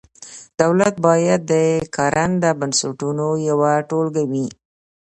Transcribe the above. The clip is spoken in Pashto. دولت باید د کارنده بنسټونو یوه ټولګه وي.